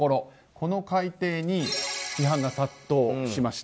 この改定に批判が殺到しました。